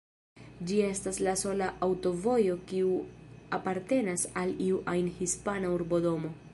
Ĝi estas la sola aŭtovojo kiu apartenas al iu ajn hispana urbodomo.